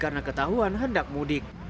karena ketahuan hendak mudik